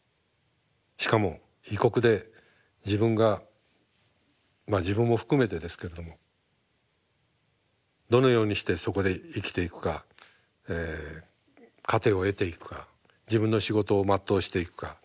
しかも異国で自分が自分も含めてですけれどもどのようにしてそこで生きていくか糧を得ていくか自分の仕事を全うしていくか。